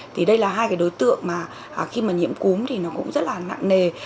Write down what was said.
thì đây là hai cái đối tượng mà khi mà nhiễm cúm thì nó cũng rất là nặng nề